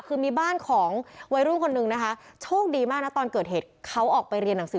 คือมีบ้านของวัยรุ่นคนนึงนะคะโชคดีมากนะตอนเกิดเหตุเขาออกไปเรียนหนังสือ